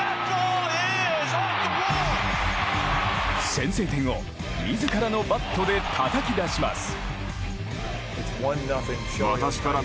先制点を自らのバットでたたき出します。